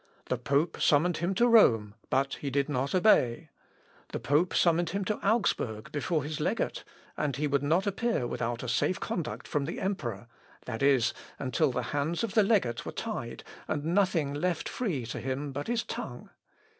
The pope summoned him to Rome, but he did not obey. The pope summoned him to Augsburg before his legate, and he would not appear without a safe conduct from the emperor, i. e. until the hands of the legate were tied, and nothing left free to him but his tongue.